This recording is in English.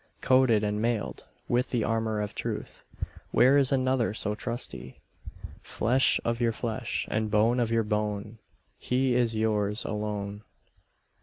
Coated and mailed, with the armour of truth, Where is another so trusty? Flesh of your flesh, and bone of your bone, He is yours alone.